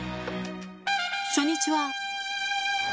初日は。